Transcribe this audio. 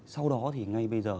sau đó thì ngay bây giờ